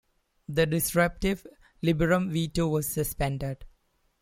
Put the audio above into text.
The disruptive liberum veto was suspended.